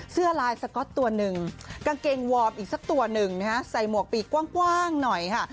เสื้อลายสก๊อตตัวหนึ่งกางเกงวอร์มอีกสักตัวหนึ่งนะฮะใส่หมวกปีกกว้างหน่อยค่ะ